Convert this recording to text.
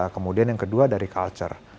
kemudian yang kedua dari culture